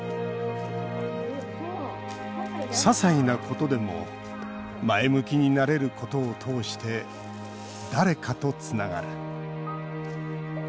ささいなことでも前向きになれることを通して誰かとつながる。